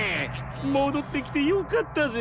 もどってきてよかったぜ。